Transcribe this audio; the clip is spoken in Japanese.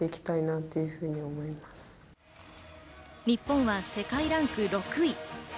日本は世界ランク６位。